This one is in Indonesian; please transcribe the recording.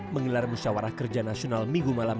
menggelar musyawarah kerja nasional minggu malam